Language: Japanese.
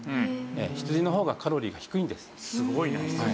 羊の方がカロリーが低いんです。